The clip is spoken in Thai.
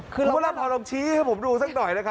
พอเราพอลองชี้ให้ผมดูสักหน่อยนะคะ